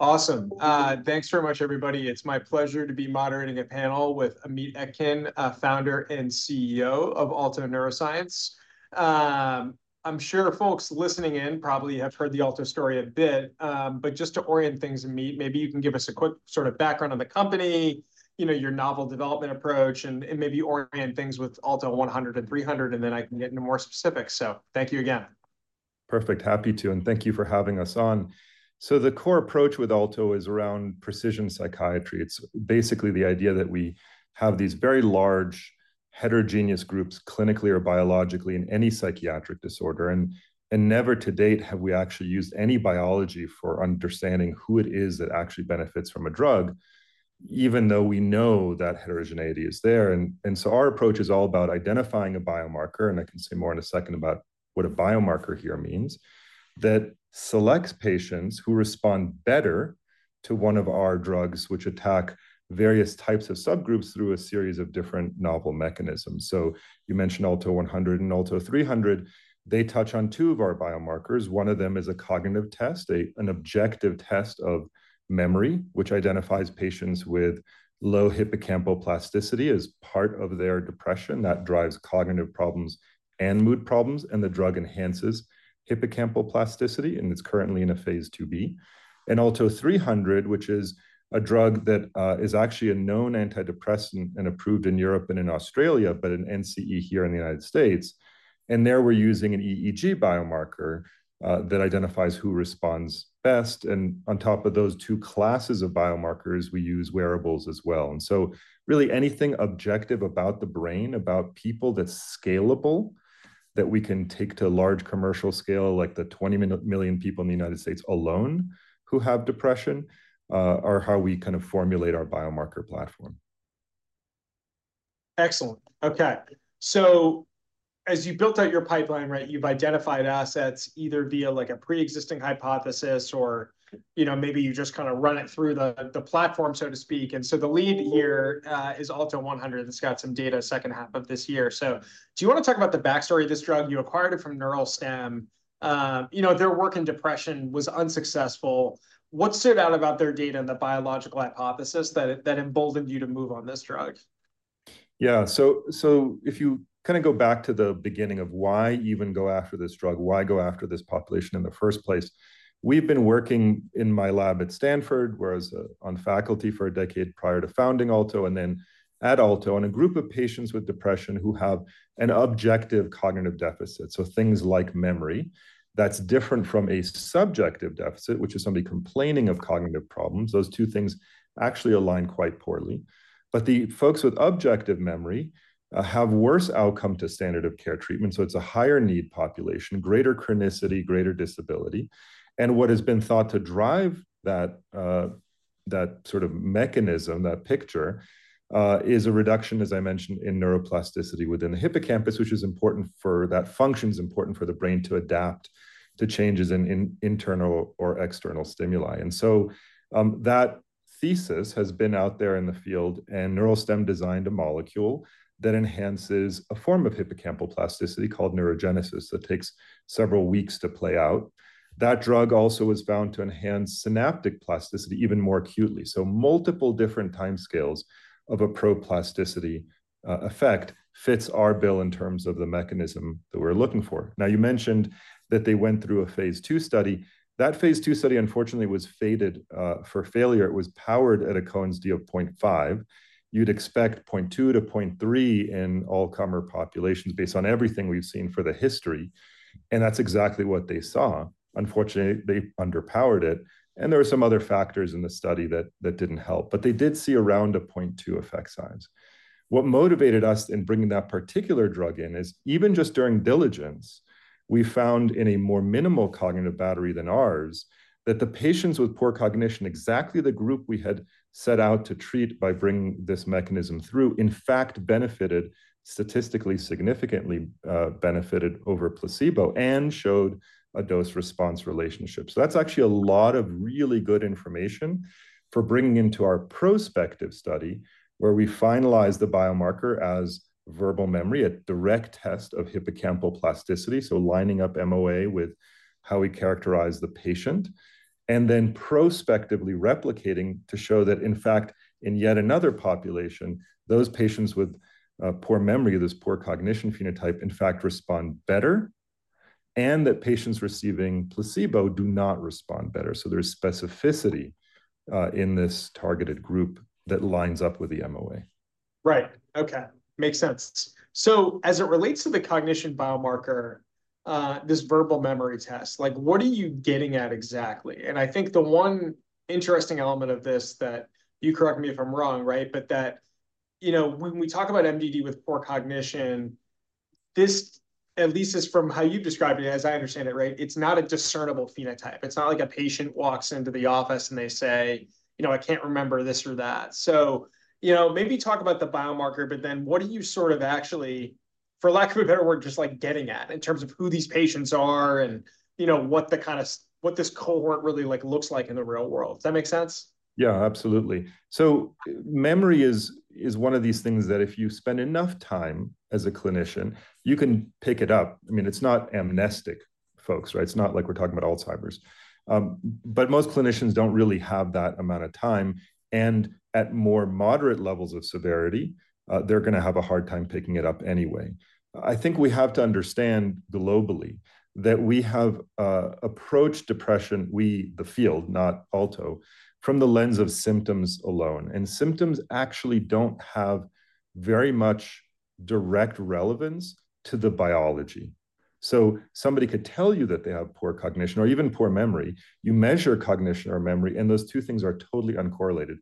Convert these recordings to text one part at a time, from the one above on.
Awesome. Thanks very much, everybody. It's my pleasure to be moderating a panel with Amit Etkin, founder and CEO of Alto Neuroscience. I'm sure folks listening in probably have heard the Alto story a bit, but just to orient things in a minute, maybe you can give us a quick sort of background on the company, you know, your novel development approach, and maybe orient things with ALTO-100 and ALTO-300, and then I can get into more specifics. So thank you again. Perfect. Happy to. And thank you for having us on. So the core approach with Alto is around precision psychiatry. It's basically the idea that we have these very large, heterogeneous groups clinically or biologically in any psychiatric disorder, and never to date have we actually used any biology for understanding who it is that actually benefits from a drug, even though we know that heterogeneity is there. And so our approach is all about identifying a biomarker, and I can say more in a second about what a biomarker here means, that selects patients who respond better to one of our drugs, which attack various types of subgroups through a series of different novel mechanisms. So you mentioned ALTO-100 and ALTO-300. They touch on two of our biomarkers. One of them is a cognitive test, an objective test of memory, which identifies patients with low hippocampal plasticity as part of their depression. That drives cognitive problems and mood problems, and the drug enhances hippocampal plasticity, and it's currently in a Phase 2b. ALTO-300, which is a drug that is actually a known antidepressant and approved in Europe and in Australia, but an NCE here in the United States. There we're using an EEG biomarker that identifies who responds best. On top of those two classes of biomarkers, we use wearables as well. So really anything objective about the brain, about people that's scalable, that we can take to large commercial scale, like the 20 million people in the United States alone who have depression, are how we kind of formulate our biomarker platform. Excellent. Okay. So as you built out your pipeline, right, you've identified assets either via, like, a preexisting hypothesis or, you know, maybe you just kind of run it through the platform, so to speak. And so the lead here is ALTO-100. That's got some data second half of this year. So do you want to talk about the backstory of this drug? You acquired it from Neuralstem. You know, their work in depression was unsuccessful. What stood out about their data and the biological hypothesis that emboldened you to move on this drug? Yeah. So if you kind of go back to the beginning of why even go after this drug, why go after this population in the first place, we've been working in my lab at Stanford. I was on faculty for a decade prior to founding Alto and then at Alto on a group of patients with depression who have an objective cognitive deficit. So things like memory that's different from a subjective deficit, which is somebody complaining of cognitive problems. Those two things actually align quite poorly. But the folks with objective memory have worse outcome to standard of care treatment. So it's a higher need population, greater chronicity, greater disability. And what has been thought to drive that, that sort of mechanism, that picture, is a reduction, as I mentioned, in neuroplasticity within the hippocampus, which is important for that function is important for the brain to adapt to changes in, in internal or external stimuli. And so, that thesis has been out there in the field, and Neuralstem designed a molecule that enhances a form of hippocampal plasticity called neurogenesis that takes several weeks to play out. That drug also was found to enhance synaptic plasticity even more acutely. So multiple different time scales of a proplasticity effect fits our bill in terms of the mechanism that we're looking for. Now, you mentioned that they went through a Phase 2 study. That Phase 2 study, unfortunately, was fated for failure. It was powered at a Cohen's d of 0.5. You'd expect 0.2-0.3 in all-comer populations based on everything we've seen for the history. That's exactly what they saw. Unfortunately, they underpowered it. There were some other factors in the study that didn't help. They did see around a 0.2 effect size. What motivated us in bringing that particular drug in is even just during diligence, we found in a more minimal cognitive battery than ours that the patients with poor cognition, exactly the group we had set out to treat by bringing this mechanism through, in fact, benefited statistically significantly, benefited over placebo and showed a dose-response relationship. So that's actually a lot of really good information for bringing into our prospective study where we finalize the biomarker as verbal memory, a direct test of hippocampal plasticity, so lining up MOA with how we characterize the patient, and then prospectively replicating to show that, in fact, in yet another population, those patients with, poor memory, this poor cognition phenotype, in fact, respond better and that patients receiving placebo do not respond better. So there's specificity, in this targeted group that lines up with the MOA. Right. Okay. Makes sense. So as it relates to the cognition biomarker, this verbal memory test, like, what are you getting at exactly? And I think the one interesting element of this that you correct me if I'm wrong, right, but that, you know, when we talk about MDD with poor cognition, this at least is from how you've described it as I understand it, right? It's not a discernible phenotype. It's not like a patient walks into the office and they say, you know, I can't remember this or that. So, you know, maybe talk about the biomarker, but then what are you sort of actually, for lack of a better word, just like getting at in terms of who these patients are and, you know, what the kind of what this cohort really, like, looks like in the real world? Does that make sense? Yeah, absolutely. So memory is one of these things that if you spend enough time as a clinician, you can pick it up. I mean, it's not amnestic, folks, right? It's not like we're talking about Alzheimer's. But most clinicians don't really have that amount of time. And at more moderate levels of severity, they're going to have a hard time picking it up anyway. I think we have to understand globally that we have approached depression, the field, not Alto, from the lens of symptoms alone. And symptoms actually don't have very much direct relevance to the biology. So somebody could tell you that they have poor cognition or even poor memory. You measure cognition or memory, and those two things are totally uncorrelated.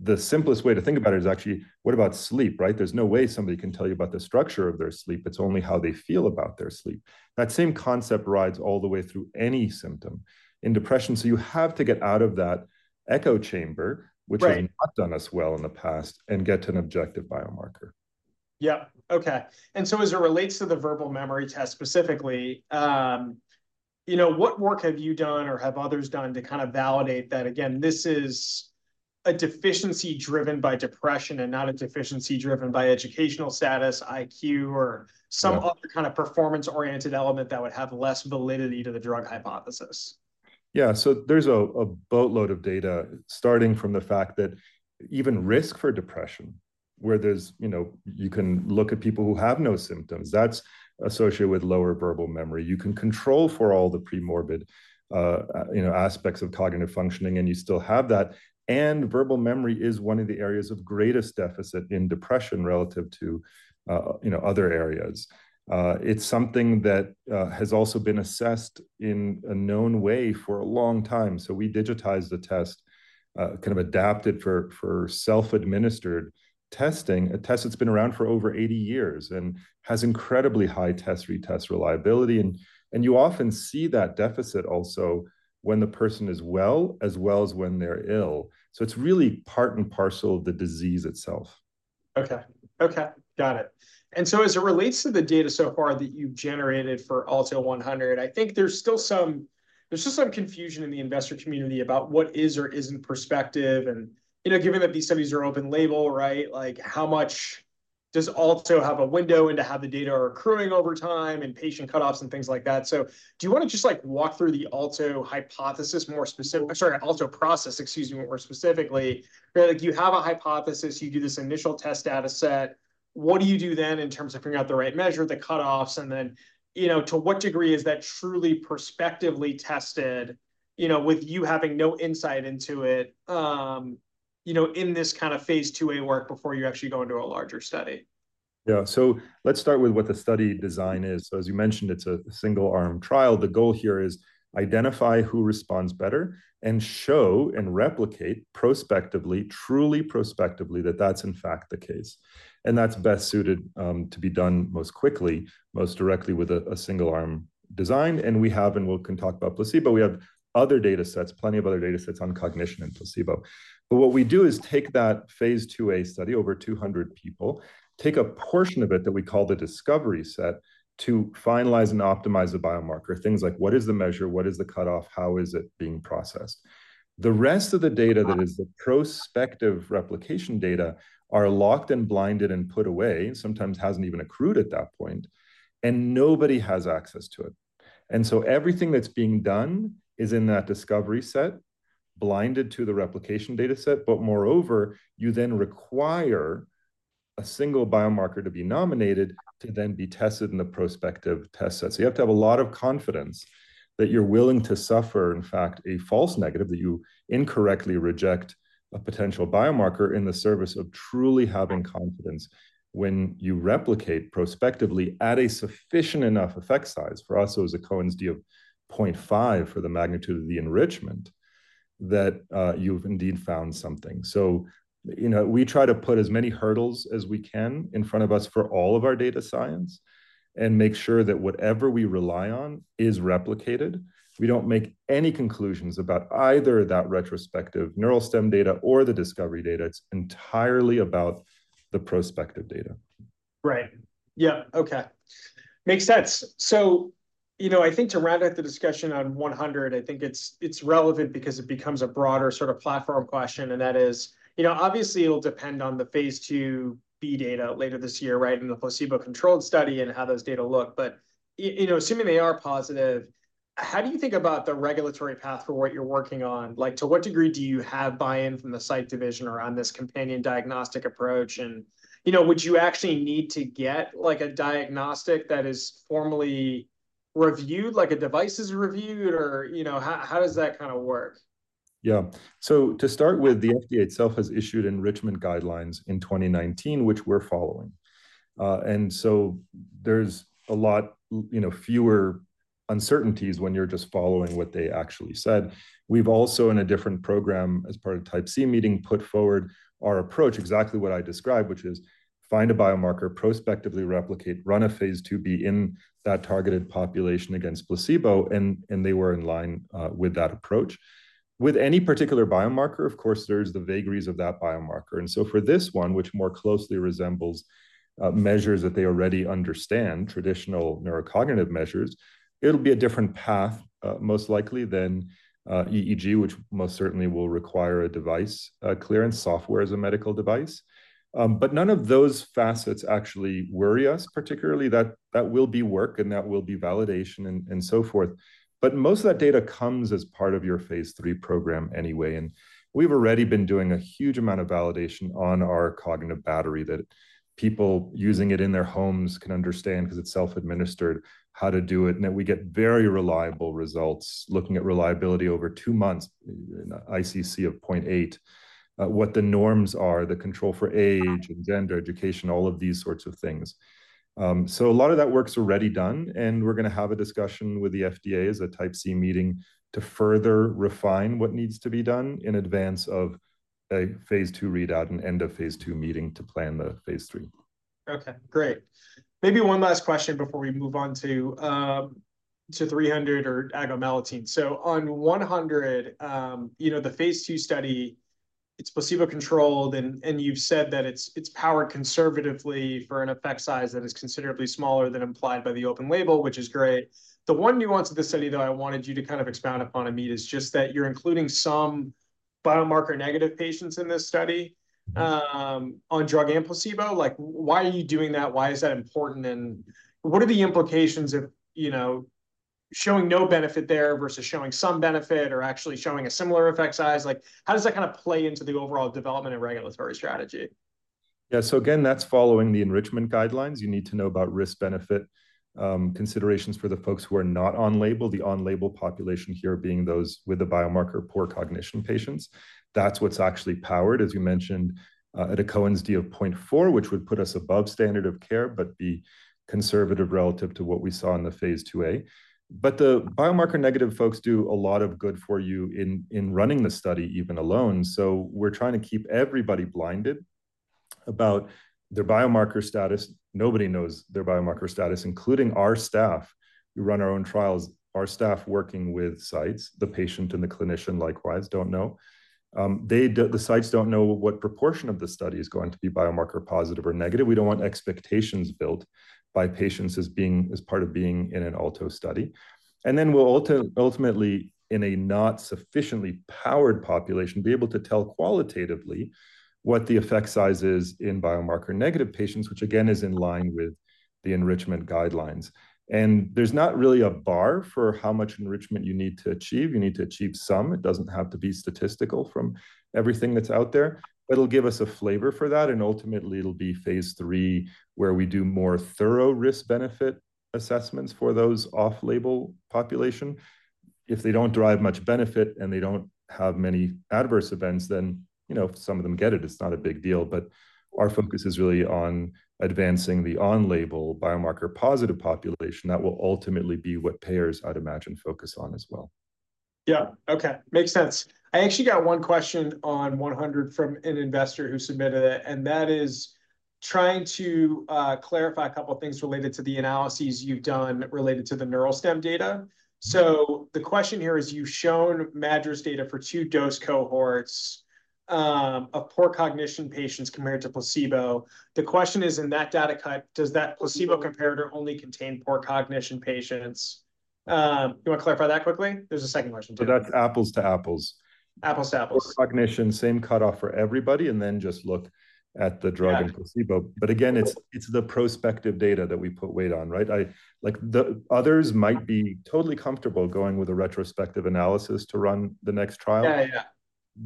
The simplest way to think about it is actually, what about sleep, right? There's no way somebody can tell you about the structure of their sleep. It's only how they feel about their sleep. That same concept rides all the way through any symptom in depression. So you have to get out of that echo chamber, which has not done us well in the past, and get to an objective biomarker. Yeah. Okay. And so as it relates to the verbal memory test specifically, you know, what work have you done or have others done to kind of validate that, again, this is a deficiency driven by depression and not a deficiency driven by educational status, IQ, or some other kind of performance-oriented element that would have less validity to the drug hypothesis? Yeah. So there's a boatload of data starting from the fact that even risk for depression, where there's, you know, you can look at people who have no symptoms, that's associated with lower verbal memory. You can control for all the premorbid, you know, aspects of cognitive functioning, and you still have that. And verbal memory is one of the areas of greatest deficit in depression relative to, you know, other areas. It's something that has also been assessed in a known way for a long time. So we digitized the test, kind of adapted for self-administered testing, a test that's been around for over 80 years and has incredibly high test retest reliability. And you often see that deficit also when the person is well as well as when they're ill. So it's really part and parcel of the disease itself. Okay. Okay. Got it. And so as it relates to the data so far that you've generated for ALTO-100, I think there's just some confusion in the investor community about what is or isn't prospective. And, you know, given that these studies are open label, right, like, how much does Alto have a window into how the data are accruing over time and patient cutoffs and things like that? So do you want to just, like, walk through the Alto hypothesis more specifically? Sorry, Alto process. Excuse me. More specifically, right, like, you have a hypothesis. You do this initial test data set. What do you do then in terms of figuring out the right measure, the cutoffs? And then, you know, to what degree is that truly prospectively tested, you know, with you having no insight into it, you know, in this kind of Phase 2a work before you actually go into a larger study? Yeah. So let's start with what the study design is. So as you mentioned, it's a single-arm trial. The goal here is to identify who responds better and show and replicate prospectively, truly prospectively, that that's, in fact, the case. And that's best suited to be done most quickly, most directly with a single-arm design. And we have and we can talk about placebo. We have other data sets, plenty of other data sets on cognition and placebo. But what we do is take that Phase 2A study over 200 people, take a portion of it that we call the discovery set to finalize and optimize a biomarker, things like what is the measure, what is the cutoff, how is it being processed? The rest of the data that is the prospective replication data are locked and blinded and put away, sometimes hasn't even accrued at that point, and nobody has access to it. And so everything that's being done is in that discovery set, blinded to the replication data set. But moreover, you then require a single biomarker to be nominated to then be tested in the prospective test sets. So you have to have a lot of confidence that you're willing to suffer, in fact, a false negative, that you incorrectly reject a potential biomarker in the service of truly having confidence when you replicate prospectively at a sufficient enough effect size for us. So it was a Cohen's d of 0.5 for the magnitude of the enrichment that you've indeed found something. So, you know, we try to put as many hurdles as we can in front of us for all of our data science and make sure that whatever we rely on is replicated. We don't make any conclusions about either that retrospective Neuralstem data or the discovery data. It's entirely about the prospective data. Right. Yeah. Okay. Makes sense. So, you know, I think to round out the discussion on 100, I think it's, it's relevant because it becomes a broader sort of platform question. And that is, you know, obviously it'll depend on the Phase 2b data later this year, right, in the placebo-controlled study and how those data look. But, you know, assuming they are positive, how do you think about the regulatory path for what you're working on? Like, to what degree do you have buy-in from the CDER division around this companion diagnostic approach? And, you know, would you actually need to get, like, a diagnostic that is formally reviewed, like a device is reviewed, or, you know, how, how does that kind of work? Yeah. So to start with, the FDA itself has issued enrichment guidelines in 2019, which we're following. And so there's a lot, you know, fewer uncertainties when you're just following what they actually said. We've also, in a different program as part of the Type C meeting, put forward our approach, exactly what I described, which is find a biomarker, prospectively replicate, run a Phase 2b in that targeted population against placebo. And they were in line with that approach with any particular biomarker. Of course, there's the vagaries of that biomarker. And so for this one, which more closely resembles measures that they already understand, traditional neurocognitive measures, it'll be a different path, most likely than EEG, which most certainly will require a device clearance software as a medical device. But none of those facets actually worry us particularly. That, that will be work and that will be validation and, and so forth. But most of that data comes as part of your Phase 3 program anyway. And we've already been doing a huge amount of validation on our cognitive battery that people using it in their homes can understand because it's self-administered how to do it. And that we get very reliable results looking at reliability over two months, an ICC of 0.8, what the norms are, the control for age and gender, education, all of these sorts of things. So a lot of that work's already done. And we're going to have a discussion with the FDA as a Type C meeting to further refine what needs to be done in advance of a Phase 2 readout and end of Phase 2 meeting to plan the Phase 3. Okay. Great. Maybe one last question before we move on to 300 or agomelatine. So on 100, you know, the Phase 2 study, it's placebo-controlled. And you've said that it's powered conservatively for an effect size that is considerably smaller than implied by the open label, which is great. The one nuance of the study, though, I wanted you to kind of expound upon, Amit, is just that you're including some biomarker negative patients in this study, on drug and placebo. Like, why are you doing that? Why is that important? And what are the implications of, you know, showing no benefit there versus showing some benefit or actually showing a similar effect size? Like, how does that kind of play into the overall development and regulatory strategy? Yeah. So again, that's following the enrichment guidelines. You need to know about risk-benefit considerations for the folks who are not on label, the on-label population here being those with the biomarker, poor cognition patients. That's what's actually powered, as you mentioned, at a Cohen's d of 0.4, which would put us above standard of care but be conservative relative to what we saw in the Phase 2A. But the biomarker negative folks do a lot of good for you in running the study even alone. So we're trying to keep everybody blinded about their biomarker status. Nobody knows their biomarker status, including our staff. We run our own trials. Our staff working with sites, the patient and the clinician likewise don't know. They don't, the sites don't know what proportion of the study is going to be biomarker positive or negative. We don't want expectations built by patients as being as part of being in an Alto study. And then we'll ultimately, in a not sufficiently powered population, be able to tell qualitatively what the effect size is in biomarker negative patients, which again is in line with the enrichment guidelines. And there's not really a bar for how much enrichment you need to achieve. You need to achieve some. It doesn't have to be statistical from everything that's out there. But it'll give us a flavor for that. And ultimately, it'll be Phase 3 where we do more thorough risk-benefit assessments for those off-label population. If they don't drive much benefit and they don't have many adverse events, then, you know, if some of them get it, it's not a big deal. But our focus is really on advancing the on-label biomarker positive population. That will ultimately be what payers, I'd imagine, focus on as well. Yeah. Okay. Makes sense. I actually got one question on 100 from an investor who submitted it, and that is trying to clarify a couple of things related to the analyses you've done related to the Neuralstem data. So the question here is, you've shown MADRS data for two dose cohorts of poor cognition patients compared to placebo. The question is, in that data cut, does that placebo comparator only contain poor cognition patients? You want to clarify that quickly? There's a second question too. So that's apples to apples. Apples to apples. Poor cognition, same cutoff for everybody. Then just look at the drug and placebo. Again, it's, it's the prospective data that we put weight on, right? I, like the others, might be totally comfortable going with a retrospective analysis to run the next trial. Yeah, yeah.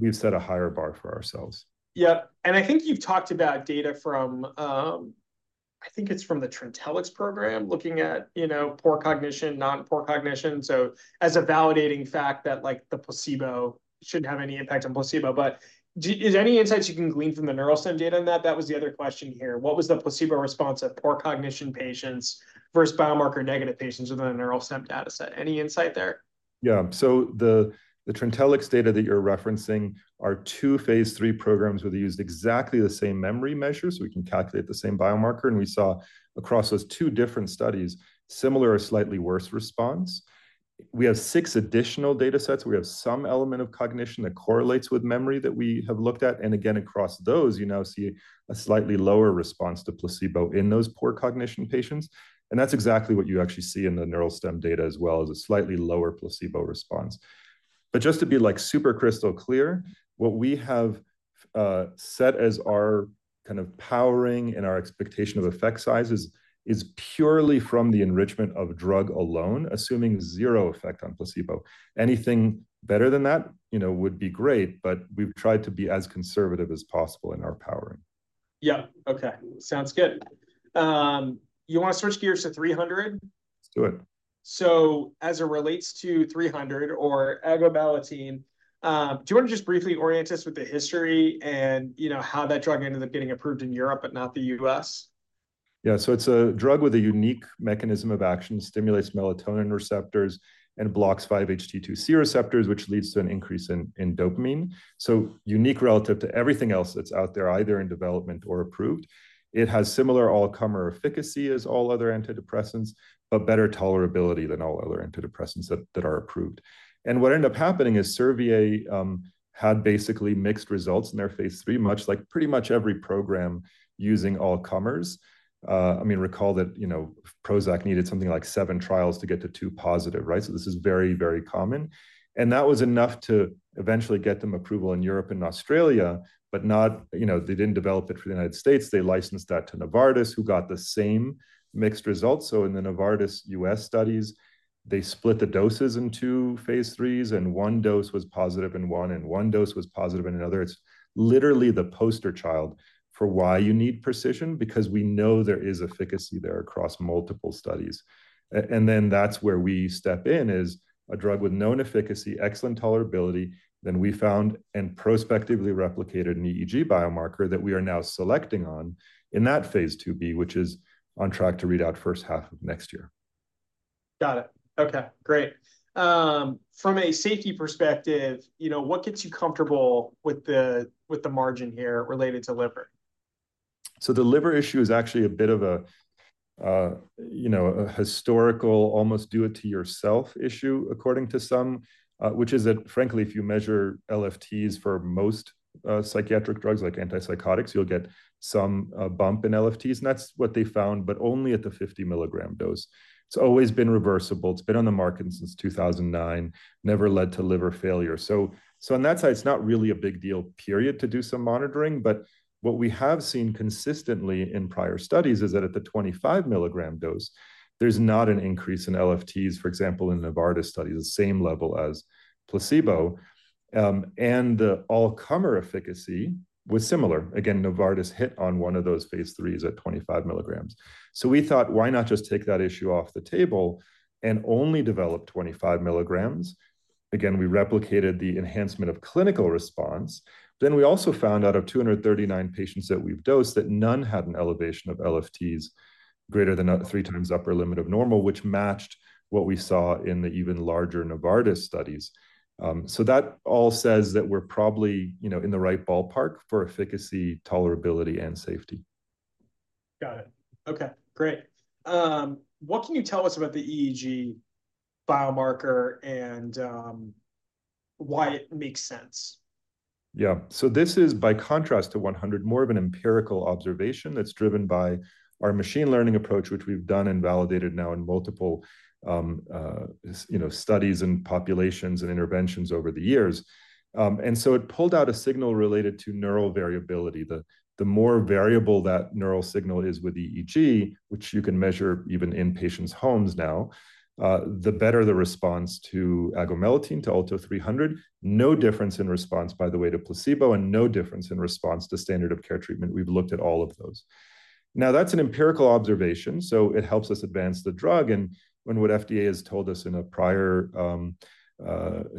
We've set a higher bar for ourselves. Yep. And I think you've talked about data from, I think it's from the Trintellix program looking at, you know, poor cognition, non-poor cognition. So as a validating fact that, like, the placebo shouldn't have any impact on placebo. But is there any insights you can glean from the Neuralstem data on that? That was the other question here. What was the placebo response of poor cognition patients versus biomarker negative patients within the Neuralstem data set? Any insight there? Yeah. So the Trintellix data that you're referencing are two Phase 3 programs where they used exactly the same memory measure so we can calculate the same biomarker. And we saw across those two different studies, similar or slightly worse response. We have six additional data sets. We have some element of cognition that correlates with memory that we have looked at. And again, across those, you now see a slightly lower response to placebo in those poor cognition patients. And that's exactly what you actually see in the Neuralstem data as well, is a slightly lower placebo response. But just to be, like, super crystal clear, what we have, set as our kind of powering and our expectation of effect sizes is purely from the enrichment of drug alone, assuming zero effect on placebo. Anything better than that, you know, would be great. But we've tried to be as conservative as possible in our powering. Yeah. Okay. Sounds good. You want to switch gears to 300? Let's do it. So as it relates to 300 or agomelatine, do you want to just briefly orient us with the history and, you know, how that drug ended up getting approved in Europe but not the U.S.? Yeah. It's a drug with a unique mechanism of action. It stimulates melatonin receptors and blocks 5-HT2C receptors, which leads to an increase in, in dopamine. Unique relative to everything else that's out there, either in development or approved. It has similar all-comer efficacy as all other antidepressants, but better tolerability than all other antidepressants that, that are approved. What ended up happening is Servier had basically mixed results in their Phase 3, much like pretty much every program using all-comers. I mean, recall that, you know, Prozac needed something like 7 trials to get to two positive, right? This is very, very common. That was enough to eventually get them approval in Europe and Australia, but not, you know, they didn't develop it for the United States. They licensed that to Novartis, who got the same mixed results. In the Novartis US studies, they split the doses in two Phase 3s, and one dose was positive in one and one dose was positive in another. It's literally the poster child for why you need precision, because we know there is efficacy there across multiple studies. Then that's where we step in, is a drug with known efficacy, excellent tolerability. Then we found and prospectively replicated an EEG biomarker that we are now selecting on in that Phase 2B, which is on track to readout first half of next year. Got it. Okay. Great. From a safety perspective, you know, what gets you comfortable with the, with the margin here related to liver? So the liver issue is actually a bit of a, you know, a historical almost do-it-yourself issue, according to some, which is that, frankly, if you measure LFTs for most psychiatric drugs like antipsychotics, you'll get some bump in LFTs. And that's what they found, but only at the 50 mg dose. It's always been reversible. It's been on the market since 2009, never led to liver failure. So on that side, it's not really a big deal, period, to do some monitoring. But what we have seen consistently in prior studies is that at the 25 mg dose, there's not an increase in LFTs, for example, in Novartis studies, the same level as placebo. And the all-comer efficacy was similar. Again, Novartis hit on one of those Phase 3s at 25 mg. So we thought, why not just take that issue off the table and only develop 25 milligrams? Again, we replicated the enhancement of clinical response. But then we also found out of 239 patients that we've dosed that none had an elevation of LFTs greater than a three times upper limit of normal, which matched what we saw in the even larger Novartis studies. So that all says that we're probably, you know, in the right ballpark for efficacy, tolerability, and safety. Got it. Okay. Great. What can you tell us about the EEG biomarker and why it makes sense? Yeah. So this is, by contrast to 100, more of an empirical observation that's driven by our machine learning approach, which we've done and validated now in multiple, you know, studies and populations and interventions over the years. So it pulled out a signal related to neural variability. The more variable that neural signal is with EEG, which you can measure even in patients' homes now, the better the response to agomelatine, to ALTO-300, no difference in response, by the way, to placebo, and no difference in response to standard of care treatment. We've looked at all of those. Now, that's an empirical observation, so it helps us advance the drug. And what FDA has told us in a prior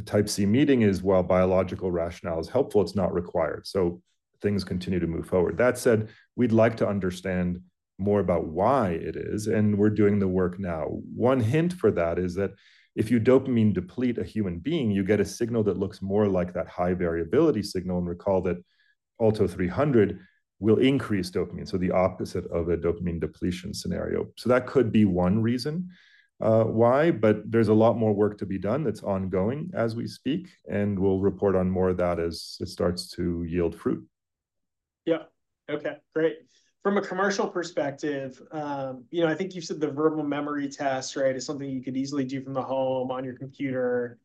Type C meeting is, while biological rationale is helpful, it's not required. So things continue to move forward. That said, we'd like to understand more about why it is, and we're doing the work now. One hint for that is that if you dopamine deplete a human being, you get a signal that looks more like that high variability signal. And recall that ALTO-300 will increase dopamine, so the opposite of a dopamine depletion scenario. So that could be one reason, why. But there's a lot more work to be done that's ongoing as we speak, and we'll report on more of that as it starts to yield fruit. Yeah. Okay. Great. From a commercial perspective, you know, I think you've said the verbal memory test, right, is something you could easily do from the home on your computer,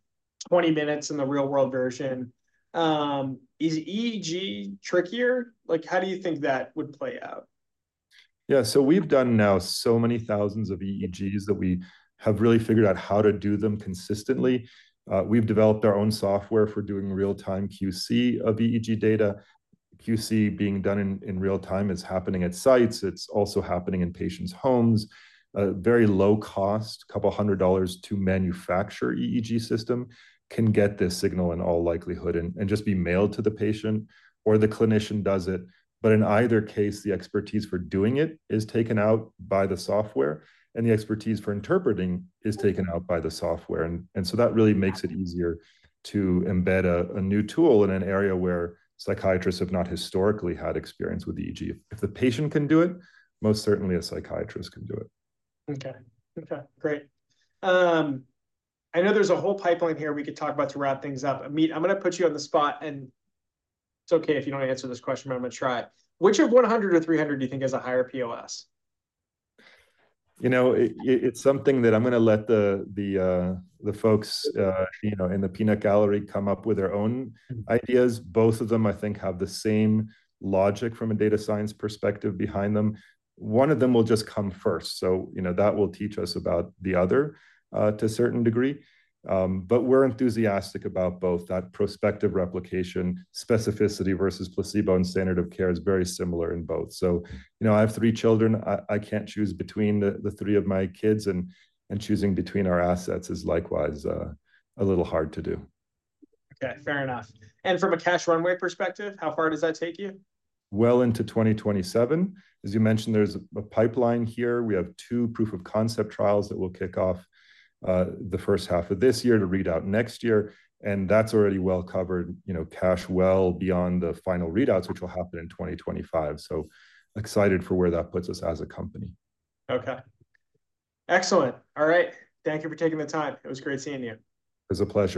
20 minutes in the real-world version. Is EEG trickier? Like, how do you think that would play out? Yeah. So we've done now so many thousands of EEGs that we have really figured out how to do them consistently. We've developed our own software for doing real-time QC of EEG data. QC being done in real time is happening at sites. It's also happening in patients' homes. A very low-cost, $200 to manufacture EEG system can get this signal in all likelihood and just be mailed to the patient, or the clinician does it. But in either case, the expertise for doing it is taken out by the software, and the expertise for interpreting is taken out by the software. And so that really makes it easier to embed a new tool in an area where psychiatrists have not historically had experience with EEG. If the patient can do it, most certainly a psychiatrist can do it. Okay. Okay. Great. I know there's a whole pipeline here we could talk about to wrap things up. Amit, I'm going to put you on the spot, and it's okay if you don't answer this question, but I'm going to try. Which of 100 or 300 do you think has a higher POS? You know, it's something that I'm going to let the folks, you know, in the peanut gallery come up with their own ideas. Both of them, I think, have the same logic from a data science perspective behind them. One of them will just come first. So, you know, that will teach us about the other, to a certain degree. But we're enthusiastic about both. That prospective replication, specificity versus placebo and standard of care, is very similar in both. So, you know, I have three children. I can't choose between the three of my kids, and choosing between our assets is likewise a little hard to do. Okay. Fair enough. From a cash runway perspective, how far does that take you? Well, into 2027. As you mentioned, there's a pipeline here. We have two proof of concept trials that will kick off, the first half of this year to readout next year. And that's already well covered, you know, cash well beyond the final readouts, which will happen in 2025. So excited for where that puts us as a company. Okay. Excellent. All right. Thank you for taking the time. It was great seeing you. It was a pleasure.